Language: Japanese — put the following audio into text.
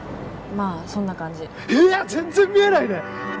まあそんな感ええ！全然見えない